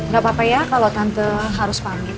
gak apa apa ya kalau tante harus pamit